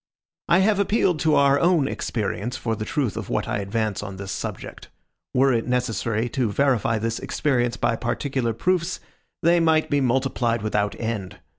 I have appealed to our own experience for the truth of what I advance on this subject. Were it necessary to verify this experience by particular proofs, they might be multiplied without end.